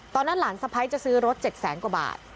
ตอนนั้นหลานสะพ้ายจะซื้อรถ๗๐๐๐๐๐กว่าบาท